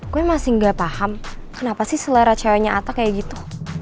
gue masih gak paham kenapa sih selera ceweknya ata kayak gitu